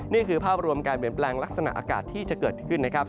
นี่คือภาพรวมการเปลี่ยนแปลงลักษณะอากาศที่จะเกิดขึ้นนะครับ